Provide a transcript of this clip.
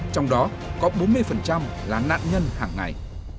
trong đó có bốn mươi là nạn nhân hàng ngày